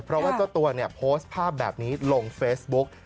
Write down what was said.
เพราะว่าเจ้าตัวเนี่ยโพสต์ภาพแบบนี้ลงเฟซบุ๊ก